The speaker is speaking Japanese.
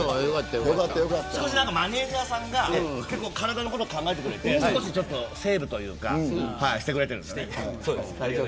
少し、マネジャーさんが少し、体のこと考えてくれてセーブというかしてくれてるんです。